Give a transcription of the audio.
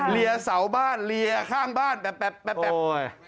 เหลี่ยเสาบ้านเหลี่ยข้างบ้านแป๊บแป๊บแป๊บแป๊บ